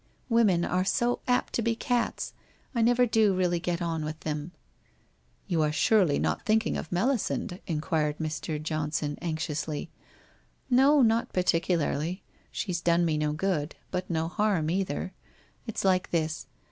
Women are so apt to be cats. I never do really get on with them.' ' You are surely not thinking of Melisande ?' enquired Mr. Johnson anxiously. 'No, not particularly. She's done me no good. But no harm either. It's like this.